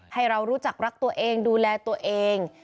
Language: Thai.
ให้เรารู้จักรักตัวเองดูแลตัวเอง